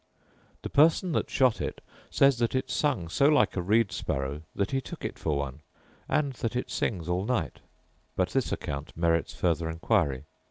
The person that shot it says that it sung so like a reed sparrow that he took it for one; and that it sings all night; but this account merits further inquiry.